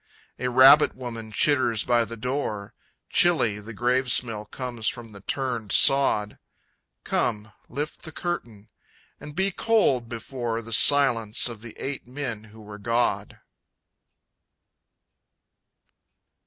A Rabbit Woman chitters by the door Chilly the grave smell comes from the turned sod Come lift the curtain and be cold before The silence of the eight men who were God!